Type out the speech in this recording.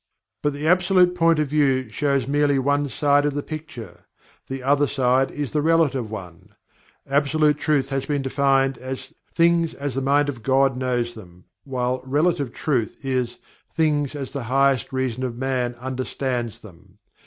But the Absolute point of view shows merely one side of the picture the other side is the Relative one. Absolute Truth has been defined as "Things as the mind of God knows them," while Relative Truth is "Things as the highest reason of Man understands them."